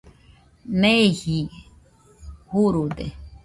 Neeji jurude